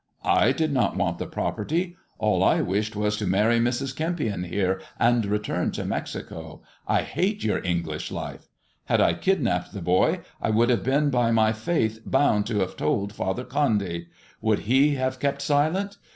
"I did not want the property. All I wished was to marry Mrs. Kempion here, and return to Mexico ; I hate your English life. Had I kidnapped the boy, I would have been by my faith bound to have told Father Condy. Would he have kept silent?